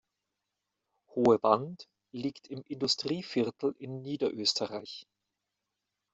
Hohe Wand liegt im Industrieviertel in Niederösterreich.